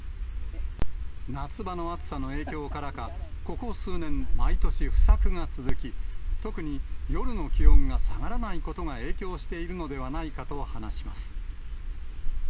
夏場の暑さの影響からか、ここ数年、毎年、不作が続き、特に夜の気温が下がらないことが影響しているのではないかと話します。